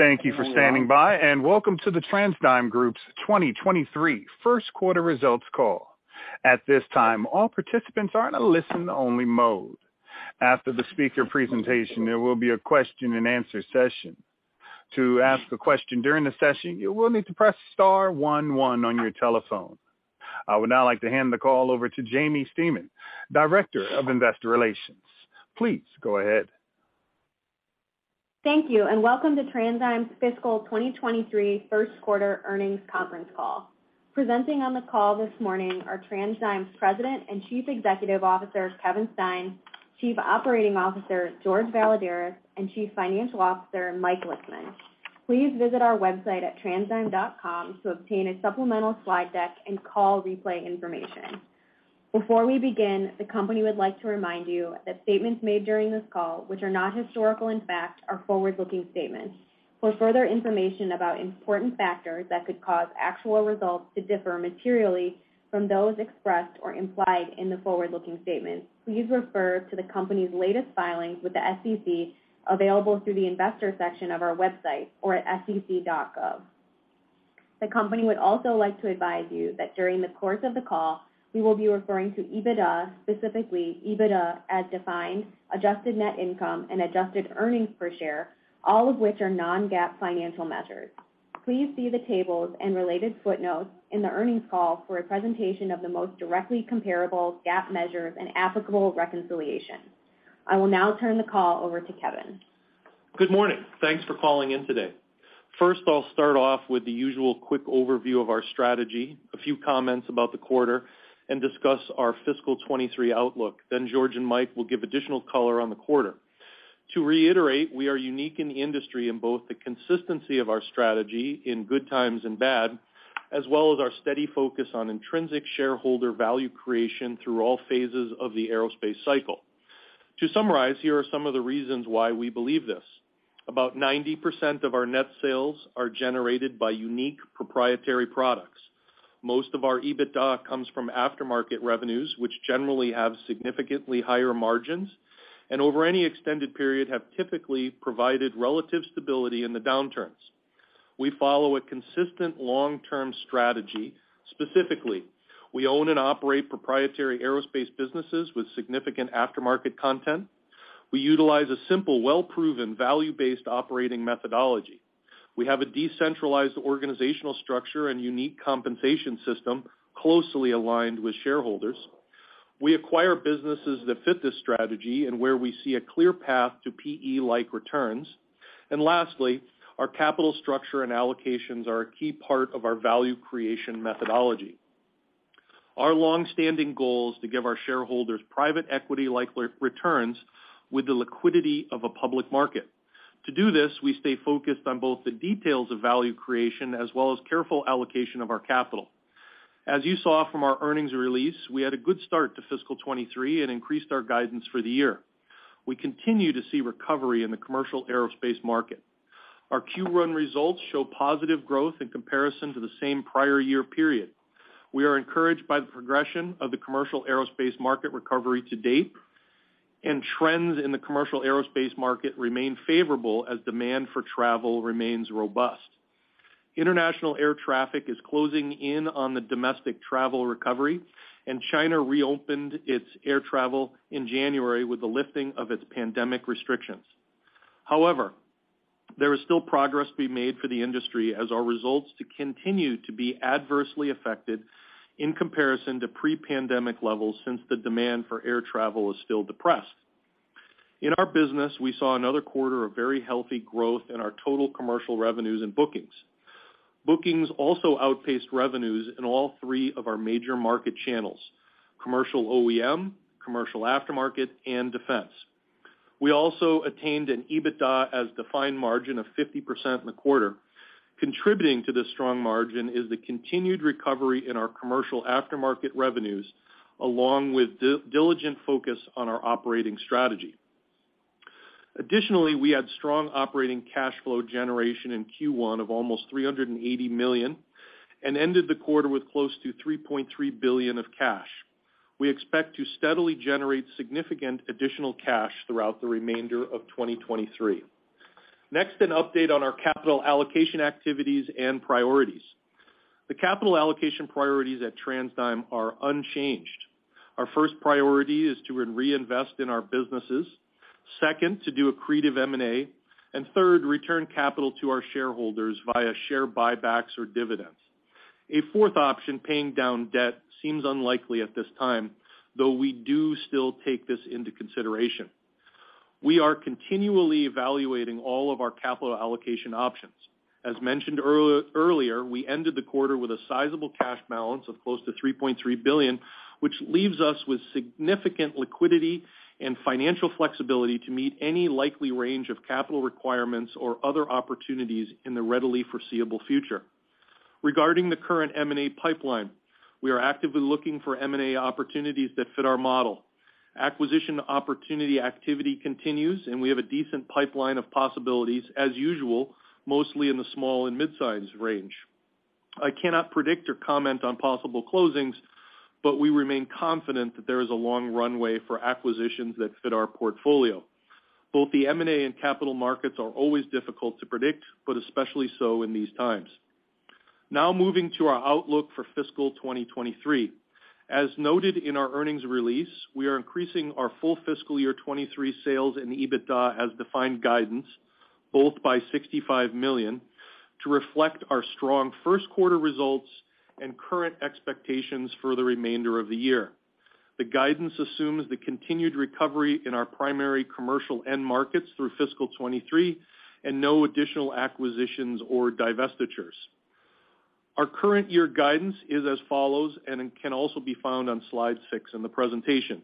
Thank you for standing by. Welcome to the TransDigm Group's 2023 1st quarter results call. At this time, all participants are in a listen-only mode. After the speaker presentation, there will be a question-and-answer session. To ask a question during the session, you will need to press star one one on your telephone. I would now like to hand the call over to Jaimie Stemen, Director of Investor Relations. Please go ahead. Thank you. Welcome to TransDigm's fiscal 2023 first quarter earnings conference call. Presenting on the call this morning are TransDigm's President and Chief Executive Officer, Kevin Stein, Chief Operating Officer, Jorge Valladares, and Chief Financial Officer, Mike Lisman. Please visit our website at transdigm.com to obtain a supplemental slide deck and call replay information. Before we begin, the company would like to remind you that statements made during this call, which are not historical in fact, are forward-looking statements. For further information about important factors that could cause actual results to differ materially from those expressed or implied in the forward-looking statements, please refer to the company's latest filings with the SEC available through the investor section of our website or at sec.gov. The company would also like to advise you that during the course of the call, we will be referring to EBITDA, specifically EBITDA As Defined, Adjusted Net Income and Adjusted Earnings Per Share, all of which are non-GAAP financial measures. Please see the tables and related footnotes in the earnings call for a presentation of the most directly comparable GAAP measures and applicable reconciliation. I will now turn the call over to Kevin. Good morning. Thanks for calling in today. First, I'll start off with the usual quick overview of our strategy, a few comments about the quarter, and discuss our fiscal '23 outlook. Jorge and Mike will give additional color on the quarter. To reiterate, we are unique in the industry in both the consistency of our strategy in good times and bad, as well as our steady focus on intrinsic shareholder value creation through all phases of the aerospace cycle. To summarize, here are some of the reasons why we believe this. About 90% of our net sales are generated by unique proprietary products. Most of our EBITDA comes from aftermarket revenues, which generally have significantly higher margins, and over any extended period have typically provided relative stability in the downturns. We follow a consistent long-term strategy. Specifically, we own and operate proprietary aerospace businesses with significant aftermarket content. We utilize a simple, well-proven, value-based operating methodology. We have a decentralized organizational structure and unique compensation system closely aligned with shareholders. We acquire businesses that fit this strategy and where we see a clear path to PE-like returns. Lastly, our capital structure and allocations are a key part of our value creation methodology. Our longstanding goal is to give our shareholders private equity-like re-returns with the liquidity of a public market. To do this, we stay focused on both the details of value creation as well as careful allocation of our capital. As you saw from our earnings release, we had a good start to FY '23 and increased our guidance for the year. We continue to see recovery in the commercial aerospace market. Our Q1 results show positive growth in comparison to the same prior year period. We are encouraged by the progression of the commercial aerospace market recovery to date, and trends in the commercial aerospace market remain favorable as demand for travel remains robust. International air traffic is closing in on the domestic travel recovery, and China reopened its air travel in January with the lifting of its pandemic restrictions. However, there is still progress to be made for the industry as our results to continue to be adversely affected in comparison to pre-pandemic levels since the demand for air travel is still depressed. In our business, we saw another quarter of very healthy growth in our total commercial revenues and bookings. Bookings also outpaced revenues in all three of our major market channels: commercial OEM, commercial aftermarket, and defense. We also attained an EBITDA As Defined margin of 50% in the quarter. Contributing to this strong margin is the continued recovery in our commercial aftermarket revenues, along with diligent focus on our operating strategy. We had strong operating cash flow generation in Q1 of almost $380 million and ended the quarter with close to $3.3 billion of cash. We expect to steadily generate significant additional cash throughout the remainder of 2023. An update on our capital allocation activities and priorities. The capital allocation priorities at TransDigm are unchanged. Our first priority is to reinvest in our businesses, second, to do accretive M&A, and third, return capital to our shareholders via share buybacks or dividends. A fourth option, paying down debt, seems unlikely at this time, though we do still take this into consideration. We are continually evaluating all of our capital allocation options. As mentioned earlier, we ended the quarter with a sizable cash balance of close to $3.3 billion, which leaves us with significant liquidity and financial flexibility to meet any likely range of capital requirements or other opportunities in the readily foreseeable future. Regarding the current M&A pipeline, we are actively looking for M&A opportunities that fit our model. Acquisition opportunity activity continues, and we have a decent pipeline of possibilities as usual, mostly in the small and mid-size range. I cannot predict or comment on possible closings, but we remain confident that there is a long runway for acquisitions that fit our portfolio. Both the M&A and capital markets are always difficult to predict, but especially so in these times. Now moving to our outlook for fiscal 2023. As noted in our earnings release, we are increasing our full fiscal year 2023 sales and EBITDA As Defined guidance, both by $65 million, to reflect our strong first quarter results and current expectations for the remainder of the year. The guidance assumes the continued recovery in our primary commercial end markets through fiscal 2023 and no additional acquisitions or divestitures. Our current year guidance is as follows, and it can also be found on slide 6 in the presentation.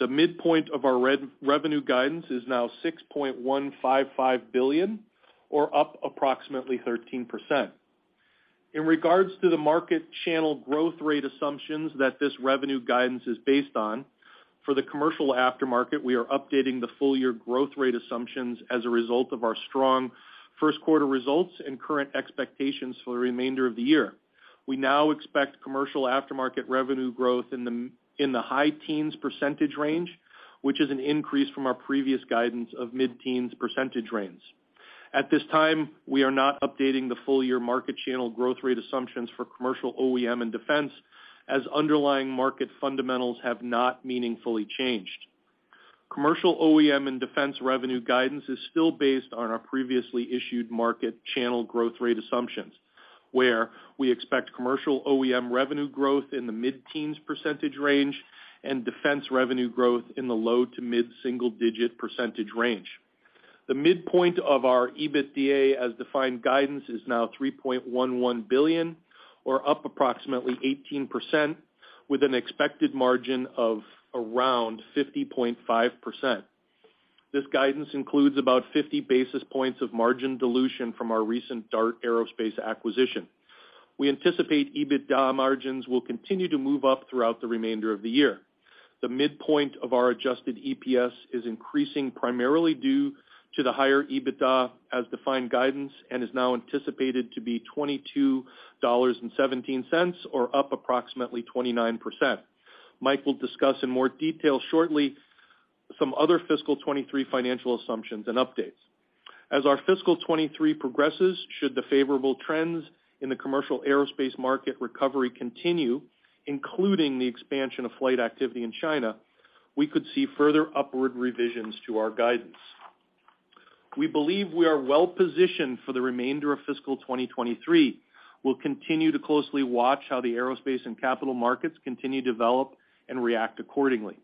The midpoint of our re-revenue guidance is now $6.155 billion or up approximately 13%. In regards to the market channel growth rate assumptions that this revenue guidance is based on, for the commercial aftermarket, we are updating the full year growth rate assumptions as a result of our strong first quarter results and current expectations for the remainder of the year. We now expect commercial aftermarket revenue growth in the high teens % range, which is an increase from our previous guidance of mid-teens % range. At this time, we are not updating the full year market channel growth rate assumptions for commercial OEM and defense, as underlying market fundamentals have not meaningfully changed. Commercial OEM and defense revenue guidance is still based on our previously issued market channel growth rate assumptions, where we expect commercial OEM revenue growth in the mid-teens % range and defense revenue growth in the low to mid-single digit % range. The midpoint of our EBITDA as defined guidance is now $3.11 billion or up approximately 18% with an expected margin of around 50.5%. This guidance includes about 50 basis points of margin dilution from our recent DART Aerospace acquisition. We anticipate EBITDA margins will continue to move up throughout the remainder of the year. The midpoint of our adjusted EPS is increasing primarily due to the higher EBITDA As Defined guidance and is now anticipated to be $22.17 or up approximately 29%. Mike will discuss in more detail shortly some other fiscal 2023 financial assumptions and updates. As our fiscal 2023 progresses, should the favorable trends in the commercial aerospace market recovery continue, including the expansion of flight activity in China, we could see further upward revisions to our guidance. We believe we are well positioned for the remainder of fiscal 2023. We'll continue to closely watch how the aerospace and capital markets continue to develop and react accordingly.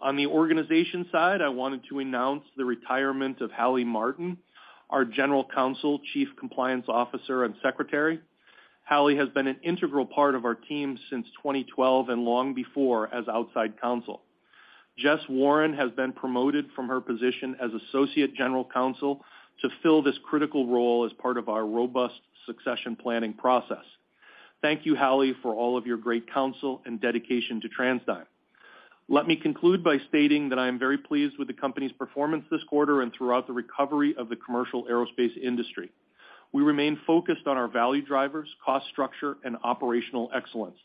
On the organization side, I wanted to announce the retirement of Halle Martin, our General Counsel, Chief Compliance Officer, and Secretary. Halle has been an integral part of our team since 2012 and long before as outside counsel. Jessica Warren has been promoted from her position as Associate General Counsel to fill this critical role as part of our robust succession planning process. Thank you, Halle, for all of your great counsel and dedication to TransDigm. Let me conclude by stating that I am very pleased with the company's performance this quarter and throughout the recovery of the commercial aerospace industry. We remain focused on our value drivers, cost structure, and operational excellence.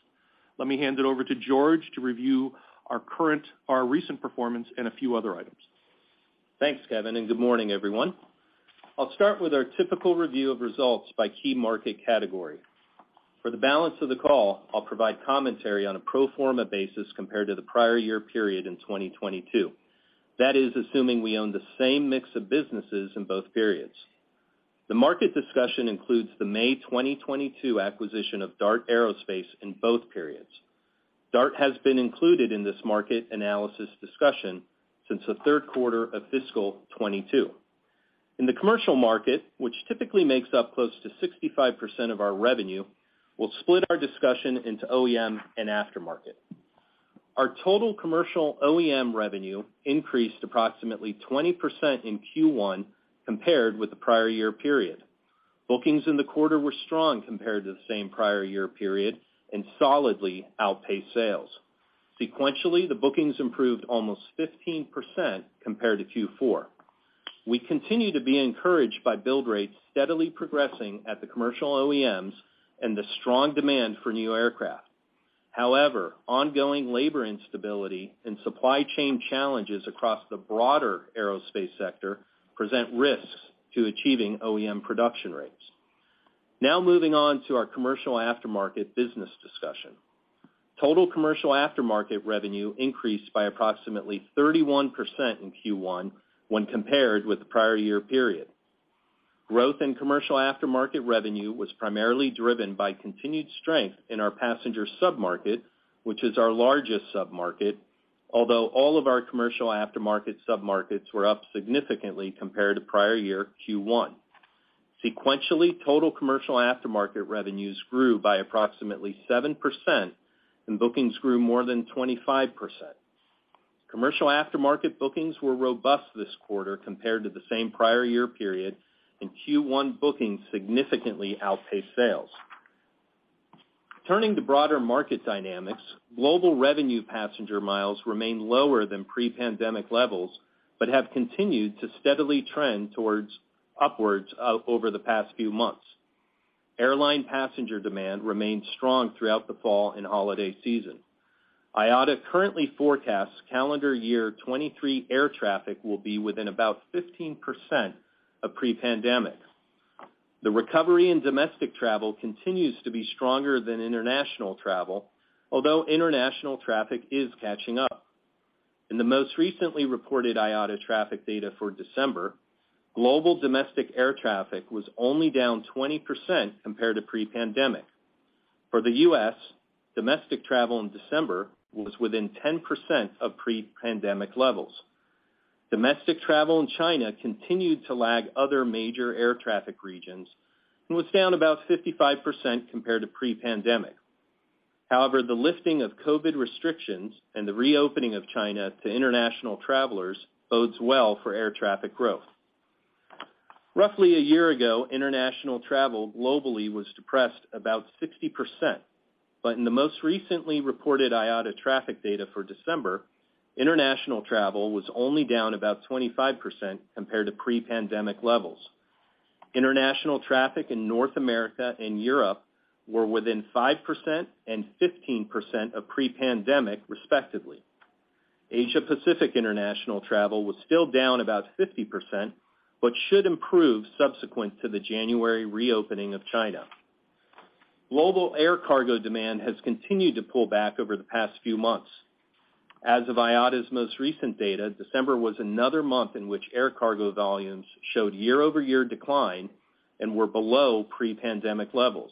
Let me hand it over to George to review our recent performance and a few other items. Thanks, Kevin. Good morning, everyone. I'll start with our typical review of results by key market category. For the balance of the call, I'll provide commentary on a pro forma basis compared to the prior year period in 2022. That is assuming we own the same mix of businesses in both periods. The market discussion includes the May 2022 acquisition of DART Aerospace in both periods. DART has been included in this market analysis discussion since the third quarter of fiscal 2022. In the commercial market, which typically makes up close to 65% of our revenue, we'll split our discussion into OEM and aftermarket. Our total commercial OEM revenue increased approximately 20% in Q1 compared with the prior year period. Bookings in the quarter were strong compared to the same prior year period and solidly outpaced sales. Sequentially, the bookings improved almost 15% compared to Q4. We continue to be encouraged by build rates steadily progressing at the commercial OEMs and the strong demand for new aircraft. Ongoing labor instability and supply chain challenges across the broader aerospace sector present risks to achieving OEM production rates. Moving on to our commercial aftermarket business discussion. Total commercial aftermarket revenue increased by approximately 31% in Q1 when compared with the prior year period. Growth in commercial aftermarket revenue was primarily driven by continued strength in our passenger sub-market, which is our largest sub-market, although all of our commercial aftermarket sub-markets were up significantly compared to prior year Q1. Sequentially, total commercial aftermarket revenues grew by approximately 7% and bookings grew more than 25%. Commercial aftermarket bookings were robust this quarter compared to the same prior year period. Q1 bookings significantly outpaced sales. Turning to broader market dynamics, global Revenue Passenger Miles remain lower than pre-pandemic levels, have continued to steadily trend towards upwards over the past few months. Airline passenger demand remained strong throughout the fall and holiday season. IATA currently forecasts calendar year 2023 air traffic will be within about 15% of pre-pandemic. The recovery in domestic travel continues to be stronger than international travel, although international traffic is catching up. In the most recently reported IATA traffic data for December, global domestic air traffic was only down 20% compared to pre-pandemic. For the U.S., domestic travel in December was within 10% of pre-pandemic levels. Domestic travel in China continued to lag other major air traffic regions and was down about 55% compared to pre-pandemic. The lifting of COVID restrictions and the reopening of China to international travelers bodes well for air traffic growth. Roughly a year ago, international travel globally was depressed about 60%. In the most recently reported IATA traffic data for December, international travel was only down about 25% compared to pre-pandemic levels. International traffic in North America and Europe were within 5% and 15% of pre-pandemic respectively. Asia-Pacific international travel was still down about 50%, but should improve subsequent to the January reopening of China. Global air cargo demand has continued to pull back over the past few months. As of IATA's most recent data, December was another month in which air cargo volumes showed year-over-year decline and were below pre-pandemic levels.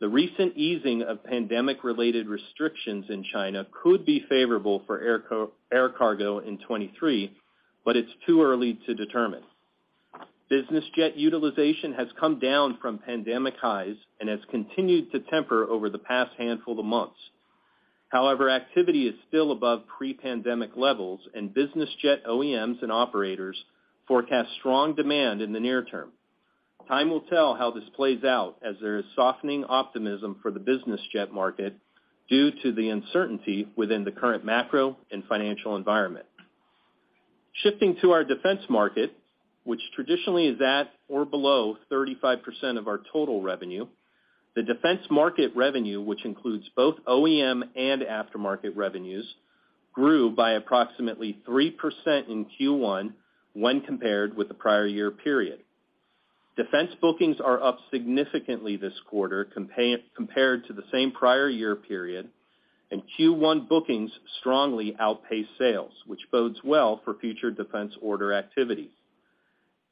The recent easing of pandemic-related restrictions in China could be favorable for air cargo in 2023, but it's too early to determine. Business jet utilization has come down from pandemic highs and has continued to temper over the past handful of months. However, activity is still above pre-pandemic levels, and business jet OEMs and operators forecast strong demand in the near term. Time will tell how this plays out, as there is softening optimism for the business jet market due to the uncertainty within the current macro and financial environment. Shifting to our defense market, which traditionally is at or below 35% of our total revenue, the defense market revenue, which includes both OEM and aftermarket revenues, grew by approximately 3% in Q1 when compared with the prior year period. Defense bookings are up significantly this quarter compared to the same prior year period, and Q1 bookings strongly outpaced sales, which bodes well for future defense order activity.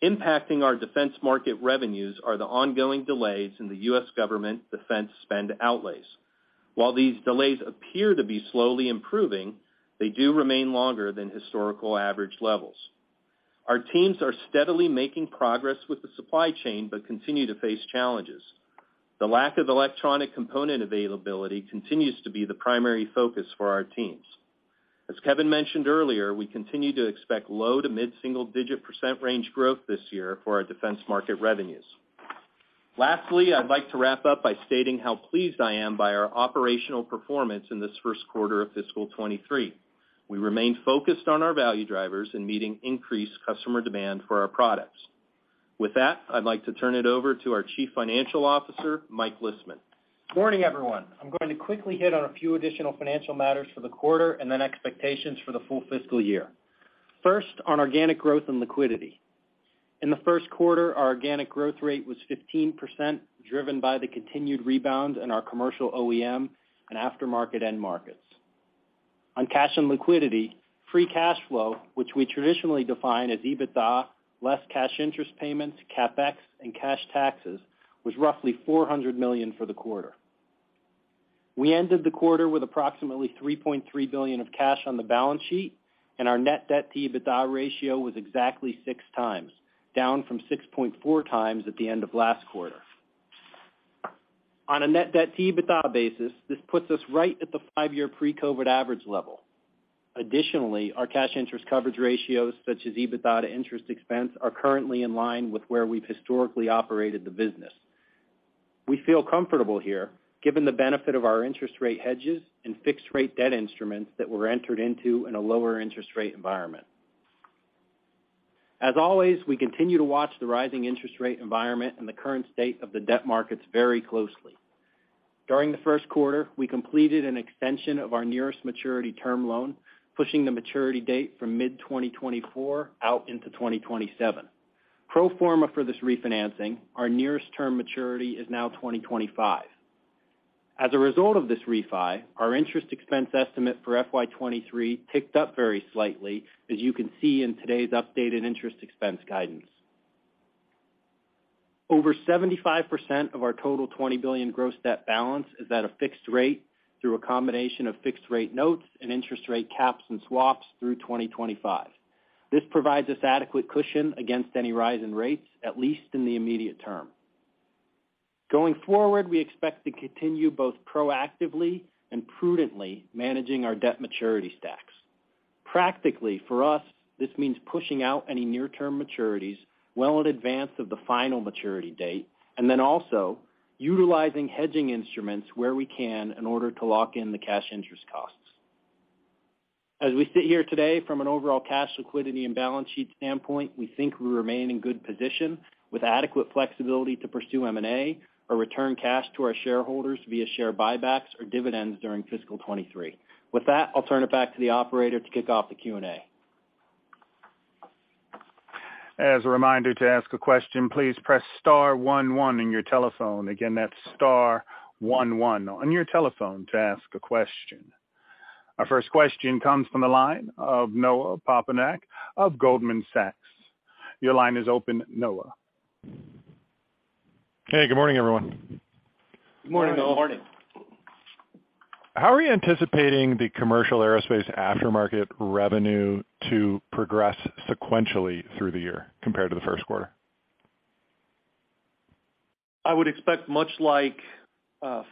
Impacting our defense market revenues are the ongoing delays in the U.S. government defense spend outlays. While these delays appear to be slowly improving, they do remain longer than historical average levels. Our teams are steadily making progress with the supply chain but continue to face challenges. The lack of electronic component availability continues to be the primary focus for our teams. As Kevin mentioned earlier, we continue to expect low to mid-single digit % range growth this year for our defense market revenues. Lastly, I'd like to wrap up by stating how pleased I am by our operational performance in this first quarter of fiscal '23. We remain focused on our value drivers in meeting increased customer demand for our products. With that, I'd like to turn it over to our Chief Financial Officer, Mike Lisman. Morning, everyone. I'm going to quickly hit on a few additional financial matters for the quarter and then expectations for the full fiscal year. First, on organic growth and liquidity. In the first quarter, our organic growth rate was 15%, driven by the continued rebound in our commercial OEM and aftermarket end markets. On cash and liquidity, free cash flow, which we traditionally define as EBITDA less cash interest payments, CapEx, and cash taxes, was roughly $400 million for the quarter. We ended the quarter with approximately $3.3 billion of cash on the balance sheet, and our net debt-to-EBITDA ratio was exactly six times, down from 6.4 times at the end of last quarter. On a net debt-to-EBITDA basis, this puts us right at the five-year pre-COVID average level. Additionally, our cash interest coverage ratios, such as EBITDA to interest expense, are currently in line with where we've historically operated the business. We feel comfortable here given the benefit of our interest rate hedges and fixed rate debt instruments that were entered into in a lower interest rate environment. As always, we continue to watch the rising interest rate environment and the current state of the debt markets very closely. During the first quarter, we completed an extension of our nearest maturity term loan, pushing the maturity date from mid-2024 out into 2027. Pro forma for this refinancing, our nearest term maturity is now 2025. As a result of this refi, our interest expense estimate for FY '23 ticked up very slightly, as you can see in today's updated interest expense guidance. Over 75% of our total $20 billion gross debt balance is at a fixed rate through a combination of fixed rate notes and interest rate caps and swaps through 2025. This provides us adequate cushion against any rise in rates, at least in the immediate term. Going forward, we expect to continue both proactively and prudently managing our debt maturity stacks. Practically for us, this means pushing out any near-term maturities well in advance of the final maturity date, also utilizing hedging instruments where we can in order to lock in the cash interest costs. As we sit here today from an overall cash liquidity and balance sheet standpoint, we think we remain in good position with adequate flexibility to pursue M&A or return cash to our shareholders via share buybacks or dividends during fiscal 2023. With that, I'll turn it back to the operator to kick off the Q&A. As a reminder to ask a question, please press star one one in your telephone. That's star one one on your telephone to ask a question. Our first question comes from the line of Noah Poponak of Goldman Sachs. Your line is open, Noah. Hey, good morning, everyone. Good morning, Noah. Good morning. How are you anticipating the commercial aerospace aftermarket revenue to progress sequentially through the year compared to the first quarter? I would expect much like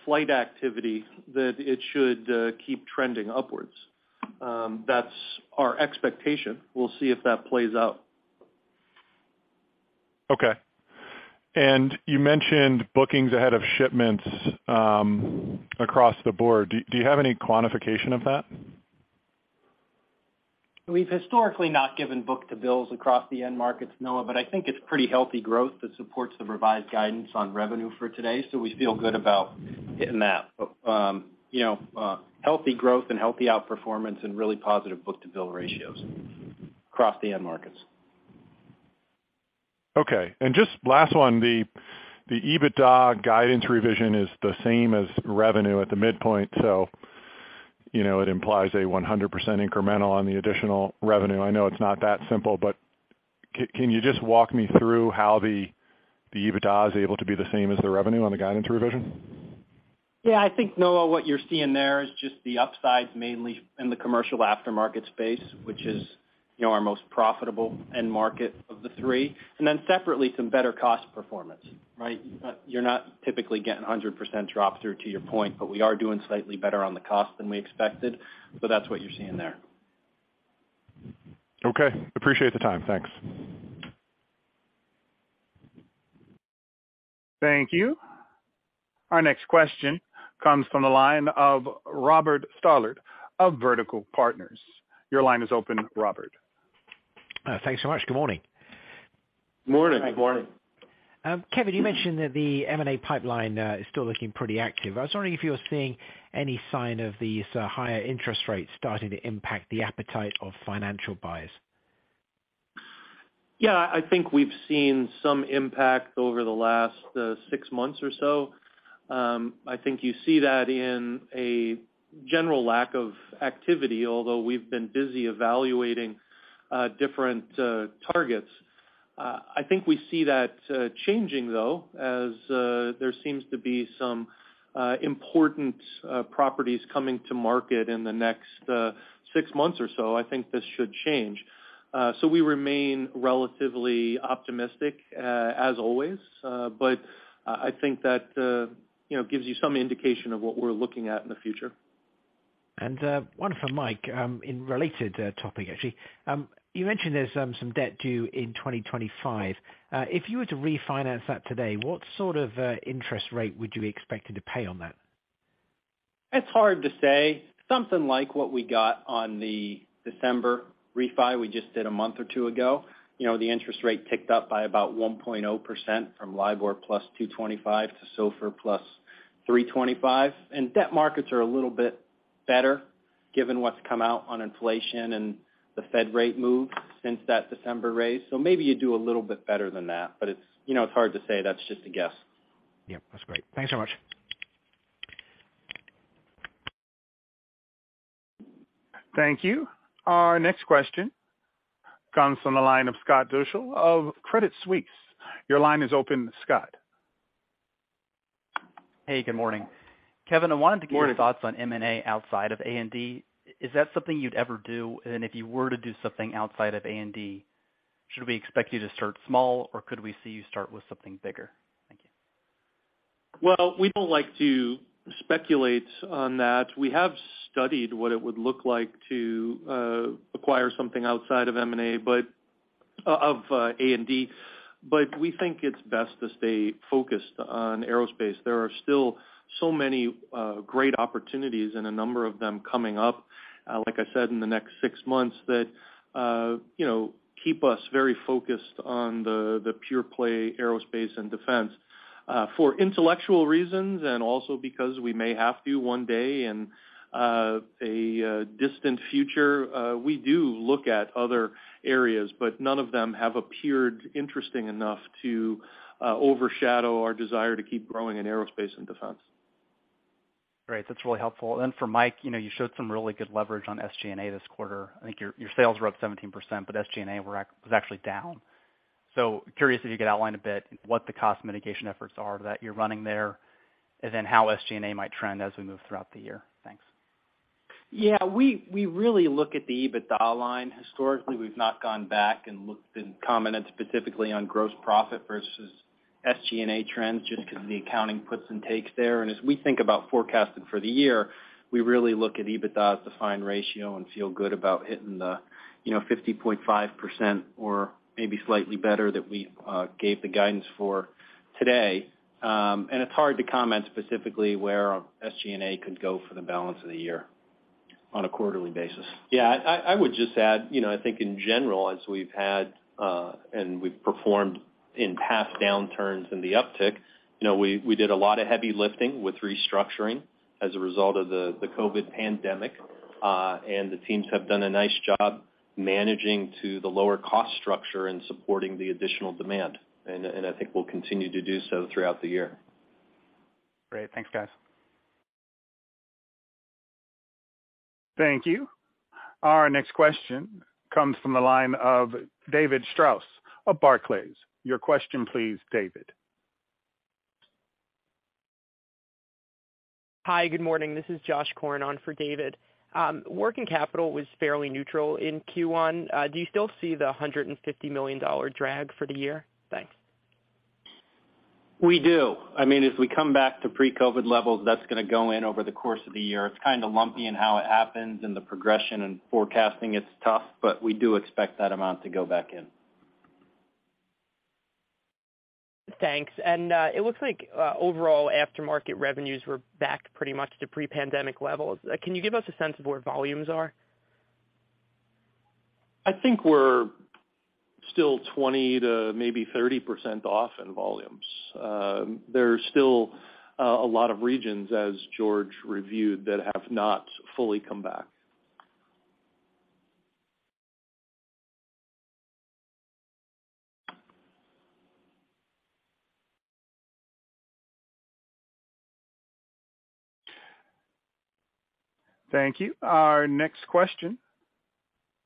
flight activity that it should keep trending upwards. That's our expectation. We'll see if that plays out. Okay. You mentioned bookings ahead of shipments across the board. Do you have any quantification of that? We've historically not given book-to-bill across the end markets, Noah, I think it's pretty healthy growth that supports the revised guidance on revenue for today. We feel good about hitting that. You know, healthy growth and healthy outperformance and really positive book-to-bill ratios across the end markets. Okay. Just last one, the EBITDA guidance revision is the same as revenue at the midpoint, you know, it implies a 100% incremental on the additional revenue. I know it's not that simple, but can you just walk me through how the EBITDA is able to be the same as the revenue on the guidance revision? Yeah, I think, Noah, what you're seeing there is just the upsides mainly in the commercial aftermarket space, which is, you know, our most profitable end market of the three. Separately, some better cost performance, right? You're not typically getting 100% drop through to your point, we are doing slightly better on the cost than we expected. That's what you're seeing there. Okay. Appreciate the time. Thanks. Thank you. Our next question comes from the line of Robert Stallard of Vertical Partners. Your line is open, Robert. Thanks so much. Good morning. Morning. Good morning. Kevin, you mentioned that the M&A pipeline is still looking pretty active. I was wondering if you're seeing any sign of these higher interest rates starting to impact the appetite of financial buyers? I think we've seen some impact over the last six months or so. I think you see that in a general lack of activity, although we've been busy evaluating different targets. I think we see that changing though as there seems to be some important properties coming to market in the next six months or so. I think this should change. We remain relatively optimistic as always. I think that, you know, gives you some indication of what we're looking at in the future. One for Mike, in related topic actually. You mentioned there's some debt due in 2025. If you were to refinance that today, what sort of interest rate would you be expecting to pay on that? It's hard to say. Something like what we got on the December refi we just did a month or two ago. You know, the interest rate ticked up by about 1.0% from LIBOR plus 225 to SOFR plus 325. Debt markets are a little bit better given what's come out on inflation and the Fed rate move since that December raise. Maybe you do a little bit better than that, but it's, you know, it's hard to say. That's just a guess. Yeah. That's great. Thanks so much. Thank you. Our next question comes from the line of Scott Deuschle of Credit Suisse. Your line is open, Scott. Hey, good morning. Kevin, I wanted to. Morning Your thoughts on M&A outside of A&D. Is that something you'd ever do? If you were to do something outside of A&D, should we expect you to start small, or could we see you start with something bigger? Thank you. Well, we don't like to speculate on that. We have studied what it would look like to acquire something outside of M&A, but of A&D, but we think it's best to stay focused on aerospace. There are still so many great opportunities and a number of them coming up, like I said, in the next six months that, you know, keep us very focused on the pure play aerospace and defense. For intellectual reasons and also because we may have to one day in a distant future, we do look at other areas, but none of them have appeared interesting enough to overshadow our desire to keep growing in aerospace and defense. Great. That's really helpful. For Mike, you know, you showed some really good leverage on SG&A this quarter. I think your sales were up 17%, but SG&A was actually down. Curious if you could outline a bit what the cost mitigation efforts are that you're running there, and then how SG&A might trend as we move throughout the year. Thanks. Yeah. We really look at the EBITDA line. Historically, we've not gone back and looked and commented specifically on gross profit versus SG&A trends just because of the accounting puts and takes there. As we think about forecasting for the year, we really look at EBITDA As Defined ratio and feel good about hitting the, you know, 50.5% or maybe slightly better that we gave the guidance for today. It's hard to comment specifically where SG&A could go for the balance of the year on a quarterly basis. Yeah, I would just add, you know, I think in general, as we've had and we've performed in past downturns in the uptick, you know, we did a lot of heavy lifting with restructuring as a result of the COVID pandemic, and the teams have done a nice job managing to the lower cost structure and supporting the additional demand. I think we'll continue to do so throughout the year. Great. Thanks, guys. Thank you. Our next question comes from the line of David Strauss of Barclays. Your question, please, David. Hi, good morning. This is Josh Corin on for David Strauss. Working capital was fairly neutral in Q1. Do you still see the $150 million drag for the year? Thanks. We do. I mean, as we come back to pre-COVID levels, that's gonna go in over the course of the year. It's kind of lumpy in how it happens and the progression and forecasting it's tough, but we do expect that amount to go back in. Thanks. It looks like, overall aftermarket revenues were back pretty much to pre-pandemic levels. Can you give us a sense of where volumes are? I think we're still 20 to maybe 30% off in volumes. There's still a lot of regions, as Jorge reviewed, that have not fully come back. Thank you. Our next question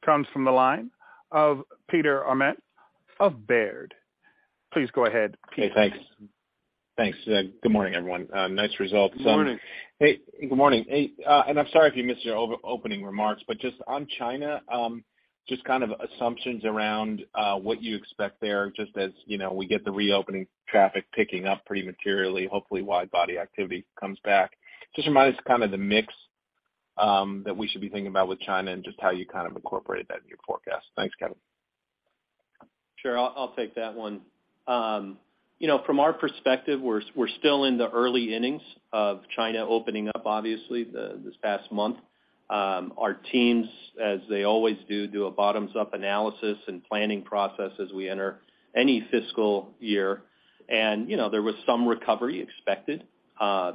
comes from the line of Peter Arment of Baird. Please go ahead, Peter. Okay, thanks. Thanks. Good morning, everyone. nice results. Good morning. Hey, good morning. Hey, and I'm sorry if you missed your opening remarks, but just on China, just kind of assumptions around what you expect there, just as, you know, we get the reopening traffic picking up pretty materially, hopefully wide body activity comes back. Just remind us kind of the mix that we should be thinking about with China and just how you kind of incorporate that in your forecast. Thanks, Kevin. Sure. I'll take that one. You know, from our perspective, we're still in the early innings of China opening up, obviously, this past month. Our teams, as they always do a bottoms-up analysis and planning process as we enter any fiscal year. You know, there was some recovery expected,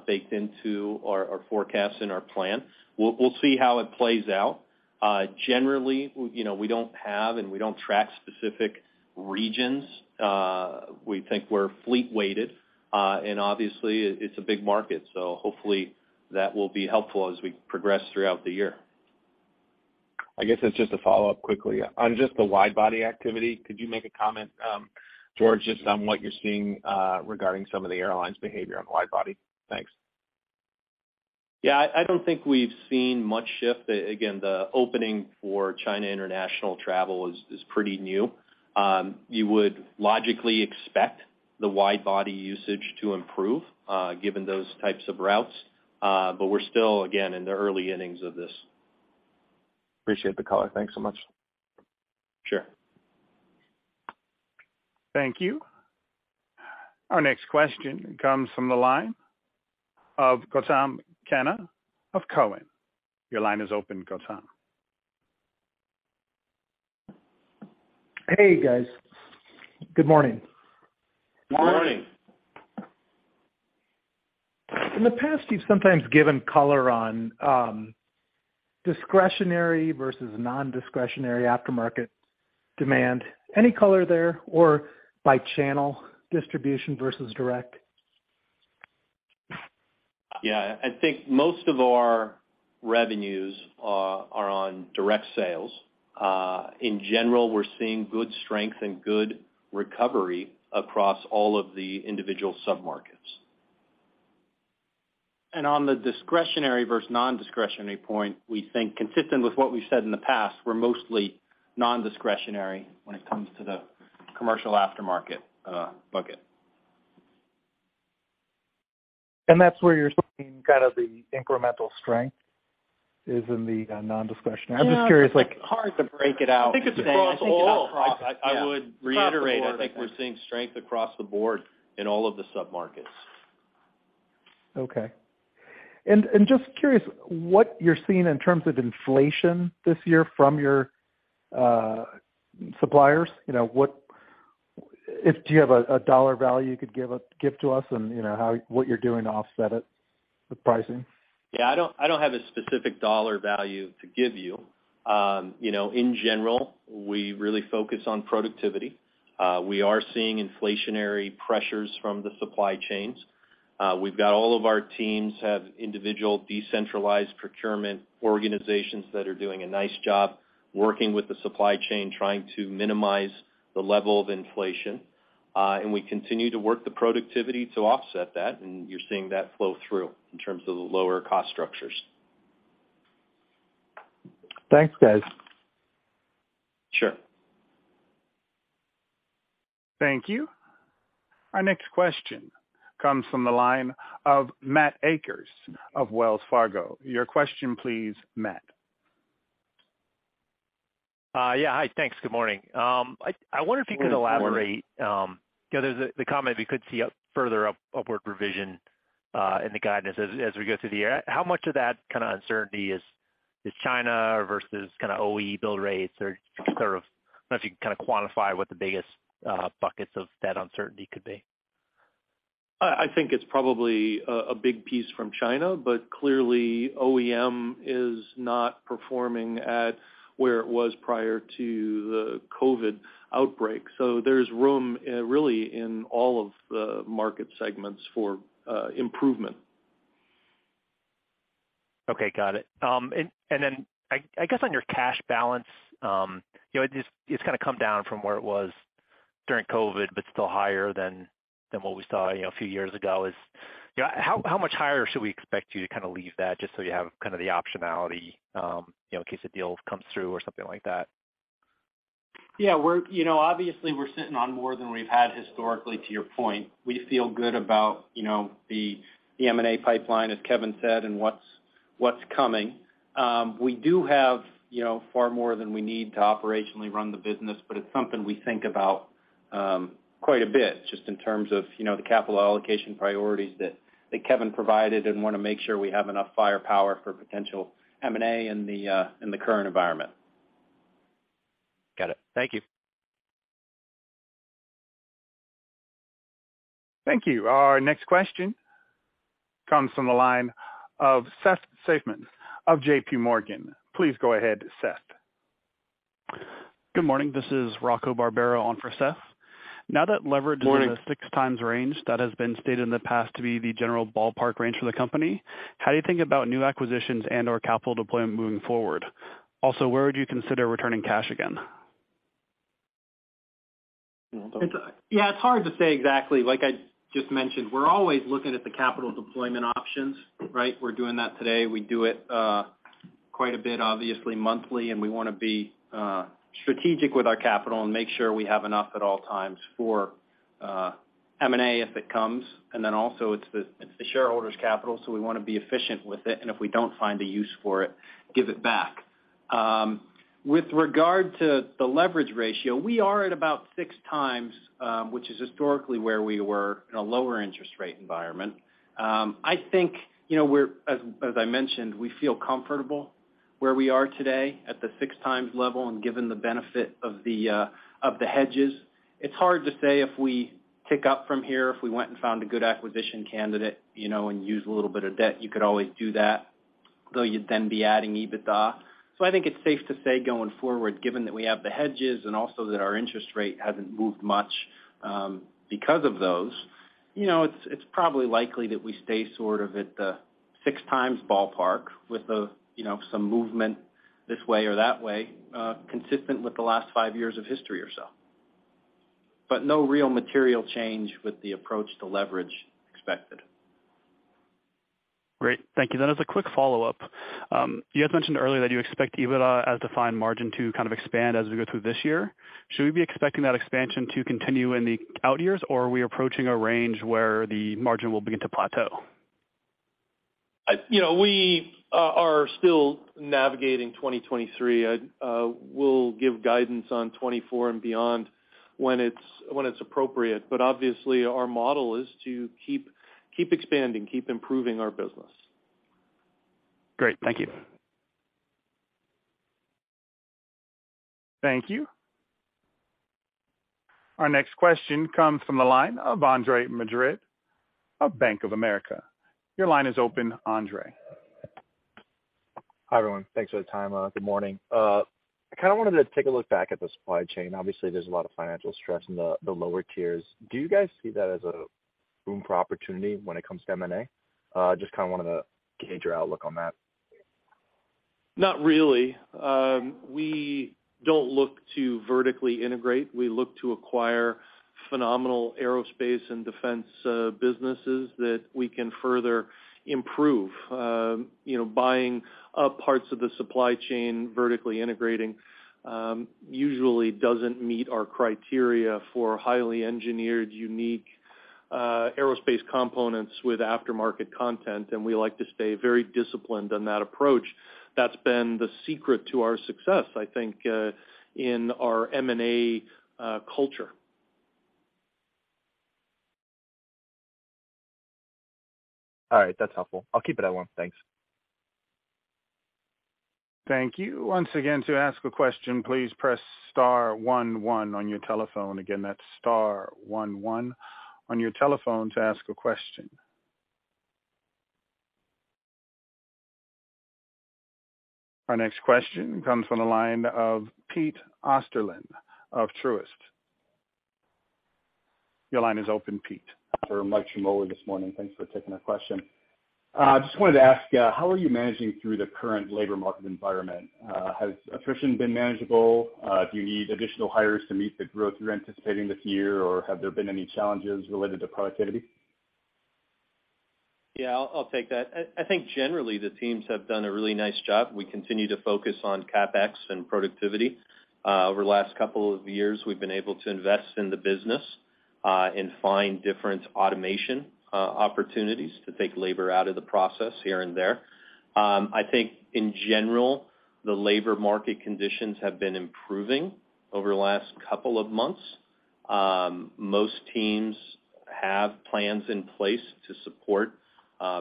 baked into our forecast and our plan. We'll see how it plays out. Generally, you know, we don't have and we don't track specific regions, we think we're fleet weighted, and obviously it's a big market, so hopefully that will be helpful as we progress throughout the year. I guess it's just a follow-up quickly. On just the wide body activity, could you make a comment, Jorge, just on what you're seeing, regarding some of the airlines behavior on the wide body? Thanks. Yeah. I don't think we've seen much shift. The opening for China international travel is pretty new. You would logically expect the wide body usage to improve, given those types of routes. We're still, again, in the early innings of this. Appreciate the color. Thanks so much. Sure. Thank you. Our next question comes from the line of Gautam Khanna of Cowen. Your line is open, Gautam. Hey, guys. Good morning. Good morning. Morning. In the past, you've sometimes given color on discretionary versus non-discretionary aftermarket demand. Any color there, or by channel distribution versus direct? Yeah. I think most of our revenues are on direct sales. In general, we're seeing good strength and good recovery across all of the individual submarkets. On the discretionary versus non-discretionary point, we think consistent with what we said in the past, we're mostly non-discretionary when it comes to the commercial aftermarket, bucket. That's where you're seeing kind of the incremental strength is in the non-discretionary. Yeah. I'm just curious, like- It's, like, hard to break it out today. I think it's across all. I think. I would reiterate, I think we're seeing strength across the board in all of the submarkets. Okay. Just curious what you're seeing in terms of inflation this year from your suppliers. You know, do you have a dollar value you could give to us and, you know, what you're doing to offset it with pricing? Yeah, I don't have a specific dollar value to give you. you know, in general, we really focus on productivity. We are seeing inflationary pressures from the supply chains. We've got all of our teams have individual decentralized procurement organizations that are doing a nice job working with the supply chain, trying to minimize the level of inflation. We continue to work the productivity to offset that, and you're seeing that flow through in terms of the lower cost structures. Thanks, guys. Sure. Thank you. Our next question comes from the line of Matt Akers of Wells Fargo. Your question please, Matt. Yeah. Hi, thanks. Good morning. I wonder if you can elaborate. Good morning. You know, there's the comment we could see a further upward revision in the guidance as we go through the year. How much of that kind of uncertainty is China versus kinda OE build rates or sort of, I don't know if you can kinda quantify what the biggest buckets of that uncertainty could be. I think it's probably a big piece from China. Clearly OEM is not performing at where it was prior to the COVID outbreak. There's room really in all of the market segments for improvement. Okay, got it. Then I guess on your cash balance, you know, it's kinda come down from where it was during COVID, but still higher than what we saw, you know, a few years ago. Is, you know, how much higher should we expect you to kinda leave that just so you have kind of the optionality, you know, in case a deal comes through or something like that? Yeah, we're, you know, obviously we're sitting on more than we've had historically, to your point. We feel good about, you know, the M&A pipeline, as Kevin said, and what's coming. We do have, you know, far more than we need to operationally run the business, but it's something we think about quite a bit just in terms of, you know, the capital allocation priorities that Kevin provided and wanna make sure we have enough firepower for potential M&A in the current environment. Got it. Thank you. Thank you. Our next question comes from the line of Seth Seifman of JP Morgan. Please go ahead, Seth. Good morning. This is Rocco Barbaro on for Seth. Morning. Now that leverage is in the six times range that has been stated in the past to be the general ballpark range for the company, how do you think about new acquisitions and/or capital deployment moving forward? Where would you consider returning cash again? It's, yeah, it's hard to say exactly. Like I just mentioned, we're always looking at the capital deployment options, right? We're doing that today. We do it quite a bit, obviously monthly, and we wanna be strategic with our capital and make sure we have enough at all times for M&A if it comes. Also it's the, it's the shareholders' capital, so we wanna be efficient with it, and if we don't find a use for it, give it back. With regard to the leverage ratio, we are at about six times, which is historically where we were in a lower interest rate environment. I think, you know, as I mentioned, we feel comfortable where we are today at the six times level and given the benefit of the hedges. It's hard to say if we tick up from here, if we went and found a good acquisition candidate, you know, and use a little bit of debt, you could always do that, though you'd then be adding EBITDA. I think it's safe to say going forward, given that we have the hedges and also that our interest rate hasn't moved much, because of those, you know, it's probably likely that we stay sort of at the six times ballpark with the, you know, some movement this way or that way, consistent with the last five years of history or so. No real material change with the approach to leverage expected. Great. Thank you. As a quick follow-up, you had mentioned earlier that you expect EBITDA As Defined margin to kind of expand as we go through this year. Should we be expecting that expansion to continue in the out years, or are we approaching a range where the margin will begin to plateau? You know, we are still navigating 2023. We'll give guidance on 2024 and beyond when it's appropriate. Obviously, our model is to keep expanding, keep improving our business. Great. Thank you. Thank you. Our next question comes from the line of Ronald Epstein of Bank of America. Your line is open, Andre. Hi, everyone. Thanks for the time. Good morning. I kinda wanted to take a look back at the supply chain. Obviously, there's a lot of financial stress in the lower tiers. Do you guys see that as a room for opportunity when it comes to M&A? Just kinda wanted to gauge your outlook on that. Not really. We don't look to vertically integrate. We look to acquire phenomenal aerospace and defense businesses that we can further improve. You know, buying up parts of the supply chain, vertically integrating, usually doesn't meet our criteria for highly engineered, unique aerospace components with aftermarket content, and we like to stay very disciplined on that approach. That's been the secret to our success, I think, in our M&A culture. All right, that's helpful. I'll keep it at one. Thanks. Thank you. Once again, to ask a question, please press star one one on your telephone. Again, that's star one one on your telephone to ask a question. Our next question comes from the line of Pete Osterlin of Truist. Your line is open, Pete. Very much lower this morning. Thanks for taking our question. Just wanted to ask, how are you managing through the current labor market environment? Has attrition been manageable? Do you need additional hires to meet the growth you're anticipating this year, or have there been any challenges related to productivity? Yeah, I'll take that. I think generally the teams have done a really nice job. We continue to focus on CapEx and productivity. Over the last couple of years, we've been able to invest in the business and find different automation opportunities to take labor out of the process here and there. I think in general, the labor market conditions have been improving over the last couple of months. Most teams have plans in place to support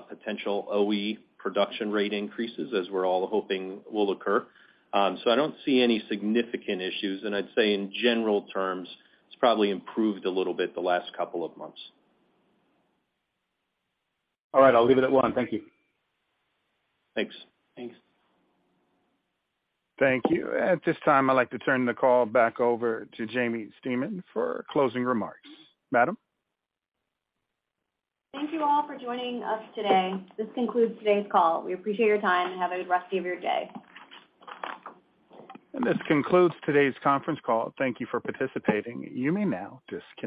potential OE production rate increases, as we're all hoping will occur. I don't see any significant issues, and I'd say in general terms, it's probably improved a little bit the last couple of months. All right, I'll leave it at one. Thank you. Thanks. Thanks. Thank you. At this time, I'd like to turn the call back over to Jaimie Stemen for closing remarks. Madam? Thank you all for joining us today. This concludes today's call. We appreciate your time, and have a good rest of your day. This concludes today's conference call. Thank you for participating. You may now disconnect.